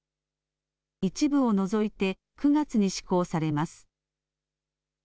一部を除いて９月に施行されます。